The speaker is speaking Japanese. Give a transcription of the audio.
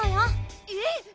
えっ！